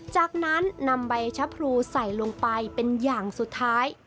จากนั้นนำใบชะพรูใส่ลงไปเป็นอย่างสุดท้าย